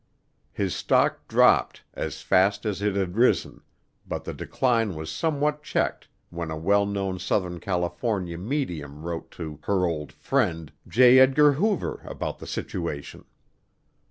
His stock dropped as fast as it had risen but the decline was somewhat checked when a well known Southern California medium wrote to "her old friend" J. Edgar Hoover about the situation.